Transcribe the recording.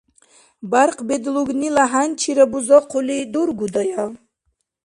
Бяркъ бедлугнила хӀянчира бузахъули дургудая?